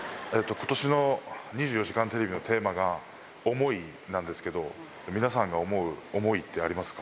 ことしの２４時間テレビのテーマが、想いなんですけど、皆さんが思う想いってありますか？